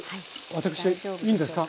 私いいんですか？